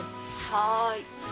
はい。